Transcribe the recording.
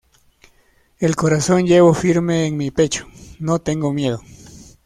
El corazón llevo firme en mi pecho: no tengo miedo.